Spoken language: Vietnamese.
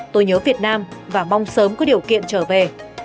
tôi nhớ việt nam và mong sớm có điều kiện trở về